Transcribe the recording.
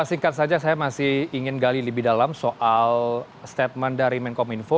singkat saja saya masih ingin gali lebih dalam soal statement dari menkom info